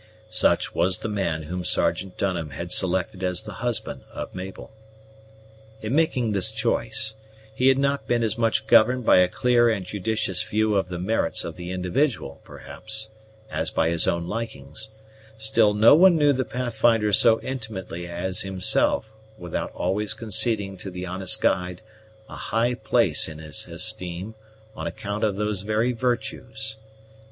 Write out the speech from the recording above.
Such was the man whom Sergeant Dunham had selected as the husband of Mabel. In making this choice, he had not been as much governed by a clear and judicious view of the merits of the individual, perhaps, as by his own likings; still no one knew the Pathfinder so intimately as himself without always conceding to the honest guide a high place in his esteem on account of these very virtues.